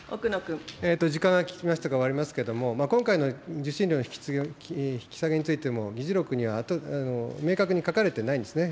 時間が来ましたから終わりますけども、今回の受信料の引き下げについても、議事録には明確に書かれてないんですね。